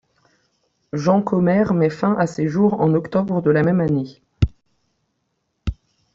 Jean Commère met fin à ses jours en octobre de la même année.